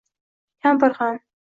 Kampir ham